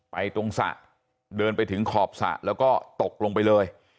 ตรงสระเดินไปถึงขอบสระแล้วก็ตกลงไปเลย